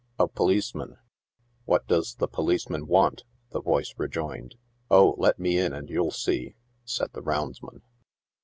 " A policeman." " What does the policeman want ?" the voice rejoined. " Oh, let me in and you'll see," said the roundsman.